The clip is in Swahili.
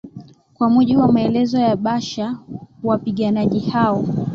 kwa mujibu wamaelezo ya basher wapiganaji hao